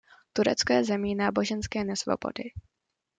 Turecko je zemí náboženské nesvobody.